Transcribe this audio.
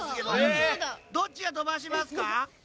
どっちがとばしますか？